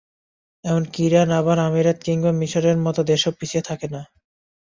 এমনকি ইরান, আরব আমিরাত কিংবা মিসরের মতো দেশও পিছিয়ে থাকে না।